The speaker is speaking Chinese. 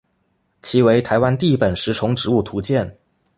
其为台湾第一本食虫植物图鉴。